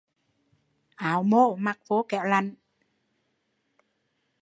Áo bô mặc vô kẻo lạnh